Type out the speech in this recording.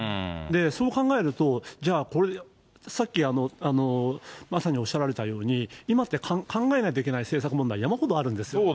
そう考えると、じゃあ、さっきまさにおっしゃられたように、今って考えないといけない政策問題山ほどあるんです。